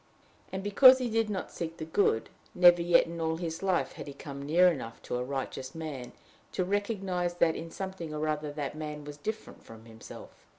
And, because he did not seek the good, never yet in all his life had he come near enough to a righteous man to recognize that in something or other that man was different from himself.